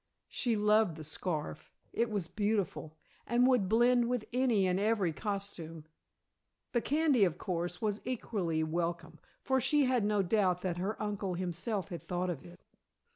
She loved the scarf; it was beautiful, and would blend with any and every costume. The candy, of course, was equally welcome, for she had no doubt that her uncle himself had thought of it.